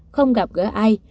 không gặp gỡ ai